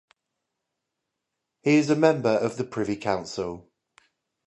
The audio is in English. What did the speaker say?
He is a member of the Privy Council.